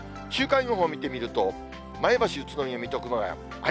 週間予報見てみると、前橋、宇都宮、水戸、熊谷。